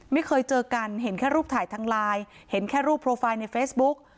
ไม่เคยเจอกันเห็นแค่รูปถ่ายทางไลน์เห็นแค่รูปโปรไฟล์ในเฟซบุ๊ก